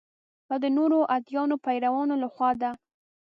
دا د نورو ادیانو پیروانو له خوا ده.